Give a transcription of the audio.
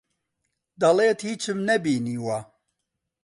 دەڵێت هیچم نەبینیوە.